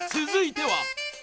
続いては。